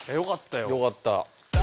よかった。